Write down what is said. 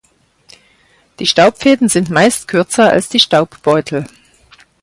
Die Staubfäden sind meist kürzer als die Staubbeutel.